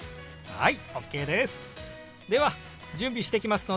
はい！